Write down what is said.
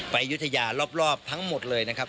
อายุทยารอบทั้งหมดเลยนะครับ